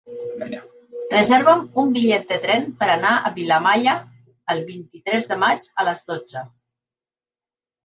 Reserva'm un bitllet de tren per anar a Vilamalla el vint-i-tres de maig a les dotze.